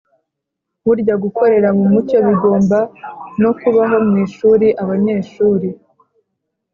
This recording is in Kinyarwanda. burya gukorera mu mucyo bigomba no kubaho mu ishuri . abanyeshuri